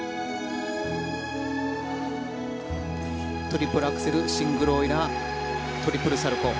トリプルアクセルシングルオイラートリプルサルコウ。